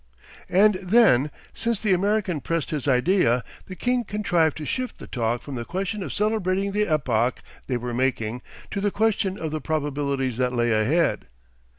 And then, since the American pressed his idea, the king contrived to shift the talk from the question of celebrating the epoch they were making to the question of the probabilities that lay ahead.